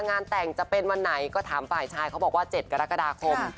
งานแต่งจะเป็นวันไหนก็ถามฝ่ายชายเขาบอกว่า๗กรกฎาคม